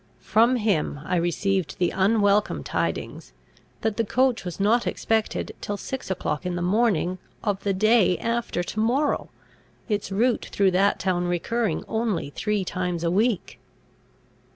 From him I received the unwelcome tidings, that the coach was not expected till six o'clock in the morning of the day after to morrow, its route through that town recurring only three times a week.